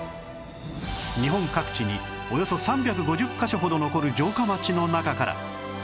日本各地におよそ３５０カ所ほど残る城下町の中から